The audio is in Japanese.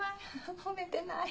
褒めてない。